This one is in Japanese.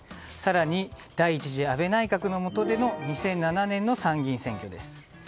更に、第１次安倍内閣の下での２００７年の参議院選挙です。